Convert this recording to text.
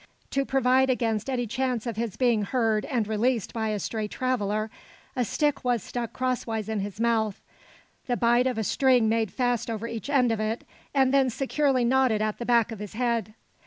To provide against any chance of his being heard and released by a stray traveller, a stick was stuck crosswise in his mouth, the bight of a string made fast over each end of it, and then securely knotted at the back of his head.